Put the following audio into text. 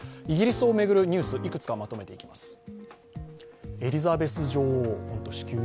イギリスを巡るニュース、いくつかまとめていきます。